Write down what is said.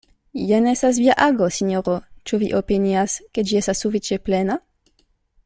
Jen estas via ago, sinjoro: ĉu vi opinias, ke ĝi estas sufiĉe plena?